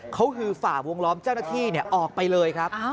เขาฮือฝ่าวงล้อมเจ้าหน้าที่ออกไปเลยครับ